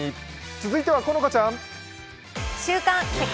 続いては好花ちゃん。